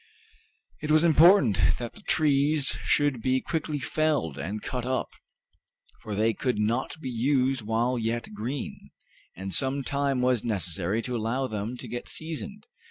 It was important that the trees should be quickly felled and cut up, for they could not be used while yet green, and some time was necessary to allow them to get seasoned.